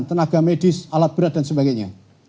tenaga medis alat berat dan sebagainya